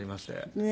ねえ。